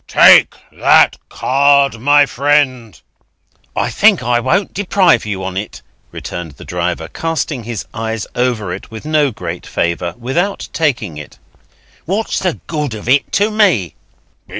"Take that card, my friend." "I think I won't deprive you on it," returned the driver, casting his eyes over it with no great favour, without taking it. "What's the good of it to me?"